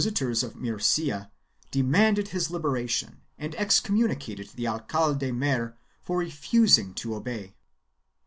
The inquisitors of Murcia demanded his liberation and excommunicated the alcalde mayor for refusing to obey.